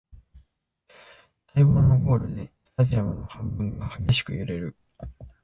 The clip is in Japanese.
待望のゴールでスタジアムの半分が激しく揺れる